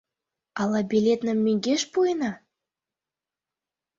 Ала билетнам мӧҥгеш пуэна?